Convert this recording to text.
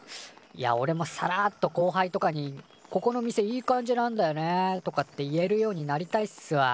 いやおれもさらっとこうはいとかに「ここの店いい感じなんだよね」とかって言えるようになりたいっすわ。